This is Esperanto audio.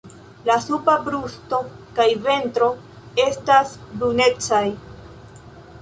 La suba brusto kaj ventro estas brunecaj.